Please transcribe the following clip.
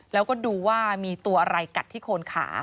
แล้วก็ดูว่ามีตัวอะไรกัดที่โคนขา